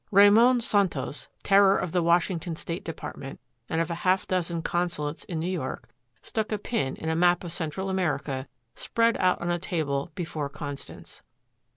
Ramon Santos, terror of the Washington State Department and of a half dozen consulates in New York, stuck a pin in a map of Central America spread out on a table before Constance.